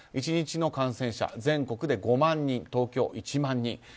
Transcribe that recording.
１日の感染者、全国で５万人東京１万人